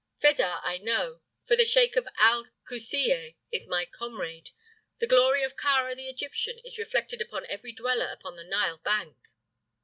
Fedah I know, for the sheik of Al Kusiyeh is my comrade. The glory of Kāra the Egyptian is reflected upon every dweller along the Nile bank."